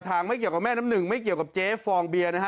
ไม่เกี่ยวกับแม่น้ำหนึ่งไม่เกี่ยวกับเจ๊ฟองเบียร์นะฮะ